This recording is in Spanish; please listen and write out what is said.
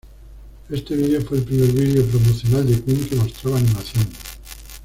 Este video fue el primer vídeo promocional de Queen que mostraba animación.